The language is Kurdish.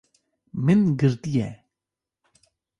Min girtiye